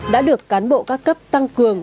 đã được cán bộ các cấp tăng cường